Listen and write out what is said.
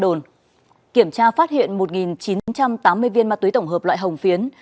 trong khi kiểm tra phát hiện một chín trăm tám mươi viên ma túy tổng hợp loại hồng phiến